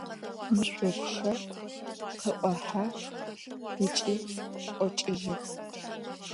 Meş'okuxer khı'ohex ıç'i 'oç'ıjıx.